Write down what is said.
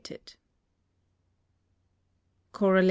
Corol.